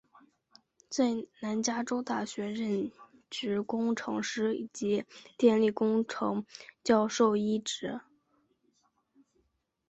在南加州大学任职工程师及电力工程教授一职。